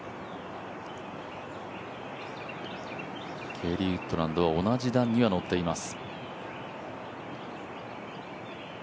ゲーリー・ウッドランドは、同じ段にはのっています。